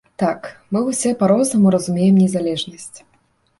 Так, мы ўсе па-рознаму разумеем незалежнасць.